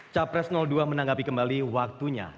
capres dua menanggapi kembali waktunya